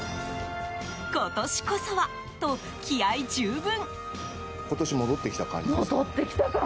今年こそはと気合十分。